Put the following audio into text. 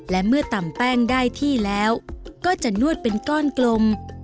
และเมื่อตำแป้งได้ที่แล้วก็จะนวดเป็นก้อนกลม